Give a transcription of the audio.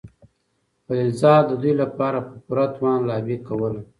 خلیلزاد د دوی لپاره په پوره توان لابي کوله.